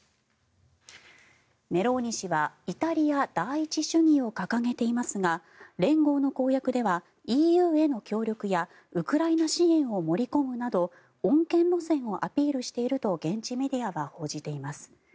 メローニ氏はイタリア第一主義を掲げていますが連合の公約ではＥＵへの協力やウクライナ支援を盛り込むなど穏健路線をアピールしていると現地メディアが報じています。